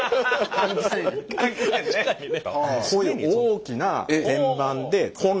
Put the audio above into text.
換気扇ね。